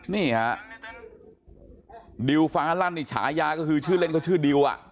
นี่ฮะดิวฟ้าลั่นนี่ฉายาก็คือชื่อเล่นเขาชื่อดิวอ่ะ